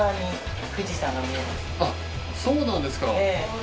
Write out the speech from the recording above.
そうなんですか！